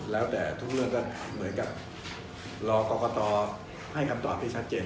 แล้วแต่ทุกเรื่องก็เหมือนกับรอกรกตให้คำตอบที่ชัดเจน